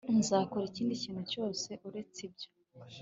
Nzakora ikindi kintu cyose uretse ibyo